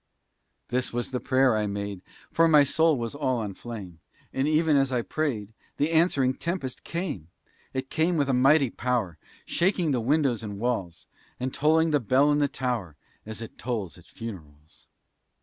This was the prayer I made, For my soul was all on flame, And even as I prayed The answering tempest came; It came with a mighty power, Shaking the windows and walls, And tolling the bell in the tower, As it tolls at funerals.